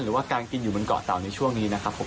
หรือว่าการกินอยู่บนเกาะเต่าในช่วงนี้นะครับผม